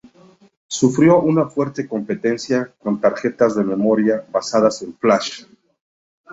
Sufrió una fuerte competencia con tarjetas de memoria basadas en flash.